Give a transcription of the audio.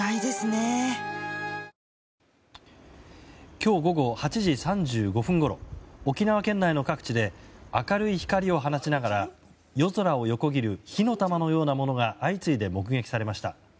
今日午後８時３５分ごろ沖縄県内の各地で明るい光を放ちながら夜空を横切る火の玉のようなものが相次いで目撃されました。